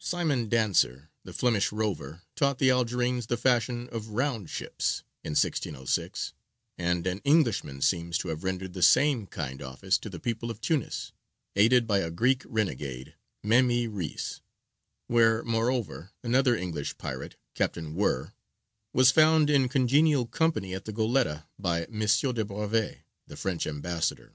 Simon Danser, the Flemish rover, taught the Algerines the fashion of "round ships," in 1606, and an Englishman seems to have rendered the same kind office to the people of Tunis, aided by a Greek renegade, Memi Reïs; where, moreover, another English pirate, "Captain Wer," was found in congenial company at the Goletta by Monsieur de Brèves, the French ambassador.